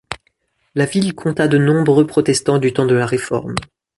La ville compta de nombreux protestants du temps de la réforme.